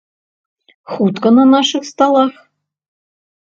Хутка на нашых сталах?